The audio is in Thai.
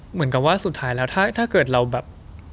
เหมือนกับว่าสุดท้ายแล้วถ้าเกิดเราแบบ